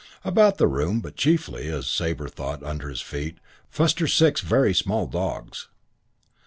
About the room, but chiefly, as Sabre thought, under his feet, fussed her six very small dogs.